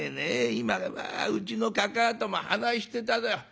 今うちのかかあとも話してただ。